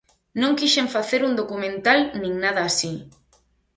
Non quixen facer un documental nin nada así.